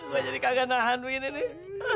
wah jadi kagak nahan begini nih